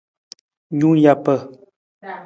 Nung japa.